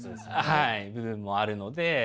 はい部分もあるので。